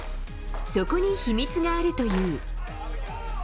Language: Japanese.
そこに秘密があるという。